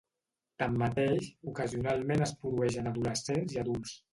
Tanmateix, ocasionalment es produeix en adolescents i adults.